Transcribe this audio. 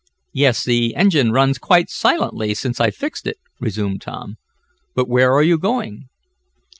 "Yes, the engine runs quite silently since I fixed it," resumed Tom. "But where are you going?"